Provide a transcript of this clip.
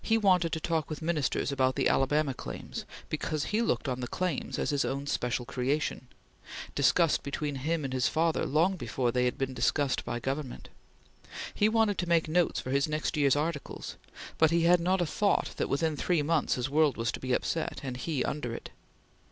He wanted to talk with Ministers about the Alabama Claims, because he looked on the Claims as his own special creation, discussed between him and his father long before they had been discussed by Government; he wanted to make notes for his next year's articles; but he had not a thought that, within three months, his world was to be upset, and he under it.